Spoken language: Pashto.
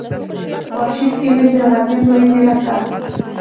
په آرشیف کې مې تر غرمې پورې تېره کړه.